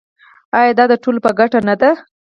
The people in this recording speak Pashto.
آیا دا د ټولو په ګټه نه ده؟